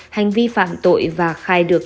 hành vi phạm tội và khai được